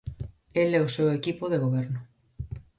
El e o seu equipo de goberno.